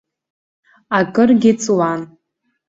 Акыргьы ҵуан.